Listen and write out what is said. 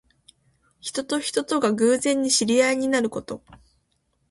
人と人とが偶然に知り合いになること。